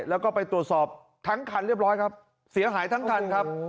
แล้วก็ไปตรวจสอบทั้งคันเรียบร้อยครับเสียหายทั้งคันครับ